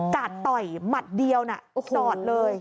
กาดต่อยหมัดเดียวนะจอดเลย